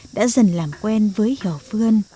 đã dần làm quen với hèo phương